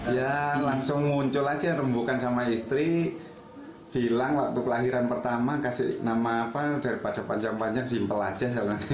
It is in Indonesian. ya langsung muncul aja rembukan sama istri bilang waktu kelahiran pertama kasih nama apa daripada panjang panjang simple aja